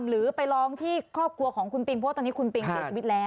หรือไปร้องที่ครอบครัวของคุณปิงเพราะว่าตอนนี้คุณปิงเสียชีวิตแล้ว